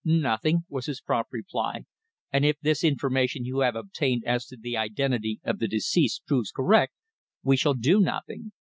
"Nothing," was his prompt reply. "And if this information you have obtained as to the identity of the deceased proves correct, we shall do nothing.